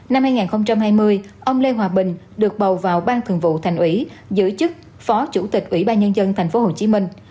năm hai nghìn hai mươi ông lê hòa bình được bầu vào bang thường vụ thành ủy giữ chức phó chủ tịch ủy ban nhân dân tp hcm